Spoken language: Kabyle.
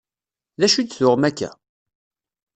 D acu i d-tuɣem akka?